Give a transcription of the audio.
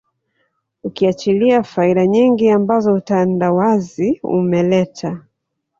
Ukiachilia faida nyingi ambazo utandawazi umeleta